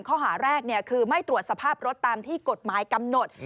ข้อหาแรกคือไม่ตรวจสภาพรถตามที่กฎหมายกำหนด